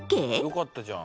⁉よかったじゃん。